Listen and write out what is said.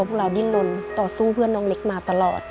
พวกเราดิ้นลนต่อสู้เพื่อนน้องเล็กมาตลอด